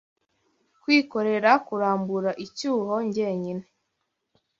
kwikorera kurambura icyuho njyenyine